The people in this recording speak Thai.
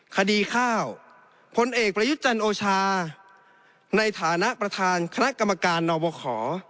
คดีข้าวพลเอกประยุทธ์จันโอชาในฐานะประธานคณะกรรมการนบข